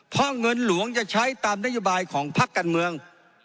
เพราะเงินหลวงจะใช้ตามนโยบายของพักการเมือง